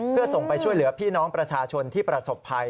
เพื่อส่งไปช่วยเหลือพี่น้องประชาชนที่ประสบภัย